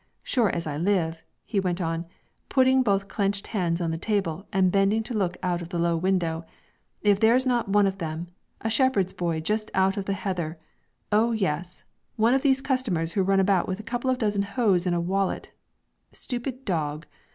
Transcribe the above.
Sure as I live," he went on, putting both clenched hands on the table and bending to look out of the low window, "if there is not one of them a shepherd's boy just out of the heather oh yes, one of these customers' who run about with a couple of dozen hose in a wallet stupid dog!